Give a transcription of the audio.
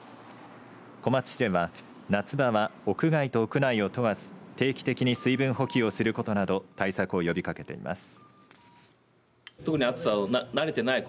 小松市では、夏場は屋外と屋内を問わず、定期的に水分補給をすることなど対策を呼びかけています。